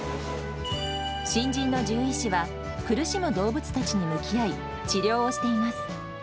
新人の獣医師は、苦しむ動物たちに向き合い、治療をしています。